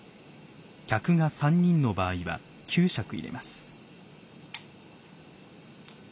客が３人の場合は９杓入れます。